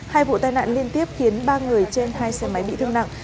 hai vụ tai nạn liên tiếp khiến ba người trên hai xe máy bị thương nặng